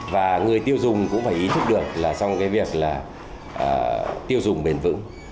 và người tiêu dùng cũng phải ý thức được là trong cái việc là tiêu dùng bền vững